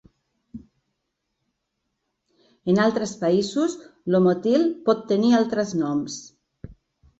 En altres països, Lomotil pot tenir altres noms.